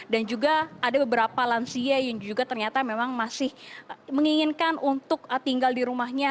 dan juga ada beberapa lansia yang juga ternyata memang masih menginginkan untuk tinggal di rumahnya